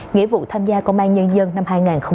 nghĩa vụ tham gia công an nhân dân năm hai nghìn hai mươi ba